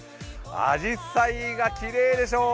あじさいがきれいでしょう？